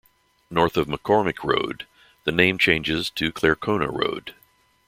North of McCormick Road the name changes to Clarcona Road.